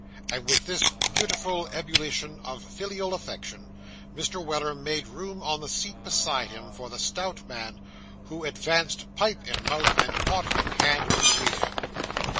And with this beautiful ebullition of filial affection, Mr. Weller made room on the seat beside him, for the stout man, who advanced pipe in mouth and pot in hand, to greet him.